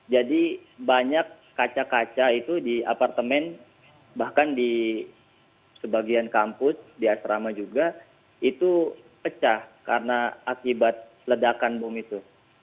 banyak kaca kaca itu di apartemen bahkan di sebagian kampus di asrama juga itu pecah karena akibat ledakan bom itu